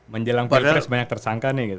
menjelang pilpres banyak tersangka nih gitu